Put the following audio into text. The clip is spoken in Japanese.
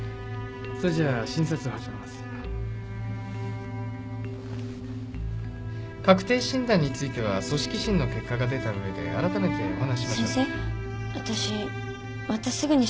それじゃあ診察を始め確定診断については組織診の結果が出たうえで改めてお話しましょう先生。